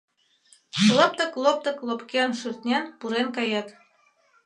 Лыптык-лоптык лопкен шӱртнен, пурен кает...